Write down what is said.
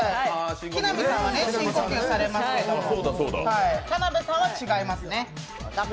木南さんは深呼吸されますけど田辺さんは違いますね。